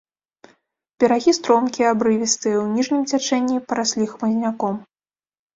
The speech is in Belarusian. Берагі стромкія, абрывістыя, у ніжнім цячэнні параслі хмызняком.